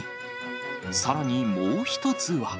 さらにもう一つは。